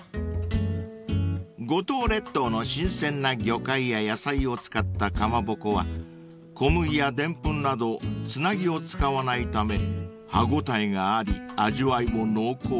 ［五島列島の新鮮な魚介や野菜を使ったかまぼこは小麦やでんぷんなどつなぎを使わないため歯応えがあり味わいも濃厚］